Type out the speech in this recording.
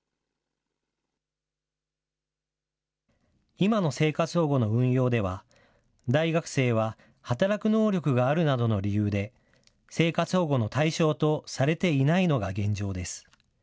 今の生活保護の運用では、大学生は働く能力があるなどの理由で、生活保護の対象とされていないのが現状です。